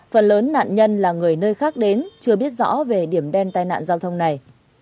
phần lớn nạn nhân là người nơi khác đến chưa biết rõ về điểm đen tai nạn giao thông này